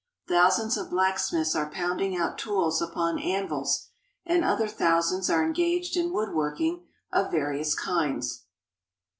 Thousands of blacksmiths are pounding out tools upon anvils, and other thousands are engaged in wood working of various kinds.